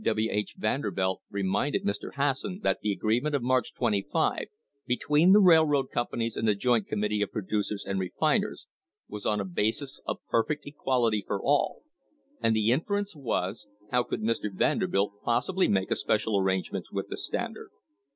W. H. Vanderbilt reminded Mr. Hasson that the agreement of March 25, between the railroad companies and the joint committee of producers and refiners, was on a basis of \ perfect equality for all, and the inference was, how could Mr. ! Vanderbilt possibly make a special arrangement with the Standard?